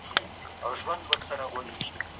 انسانان ټول برابر دي.